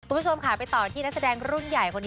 คุณผู้ชมกลับต่อที่นักแสดงรุ่นใหญ่